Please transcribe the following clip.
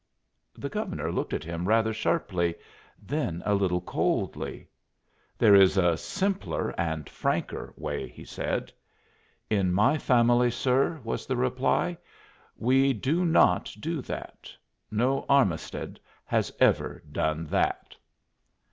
The Governor looked at him rather sharply, then a little coldly. "There is a simpler and franker way," he said. "In my family, sir," was the reply, "we do not do that no Armisted has ever done that."